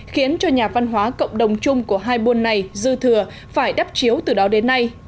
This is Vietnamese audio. khiến cho nhà văn hóa cộng đồng chung của hai buôn này dư thừa phải đắp chiếu từ đó đến nay